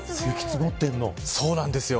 そうなんですよ。